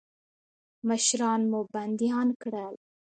مشران مو بندیان کړل.